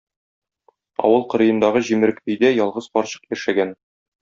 Авыл кырыендагы җимерек өйдә ялгыз карчык яшәгән.